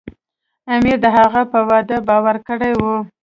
امیر د هغه په وعده باور کړی و.